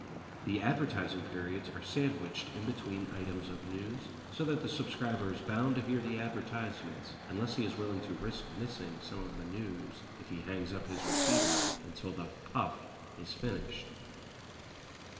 The advertising periods are sandwiched in between items of news, so that the subscriber is bound to hear the advertisements unless he is willing to risk missing some of the news if he hangs up his receiver until the "puff" is finished.